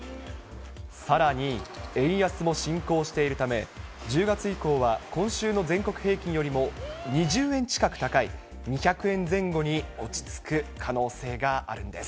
さらに、円安も進行しているため、１０月以降は今週の全国平均よりも２０円近く高い２００円前後に落ち着く可能性があるんです。